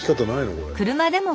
これ。